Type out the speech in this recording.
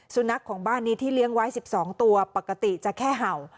สุนัขของบ้านนี้ที่เลี้ยงไว้๑๒ตัวปกติจะแค่เห่า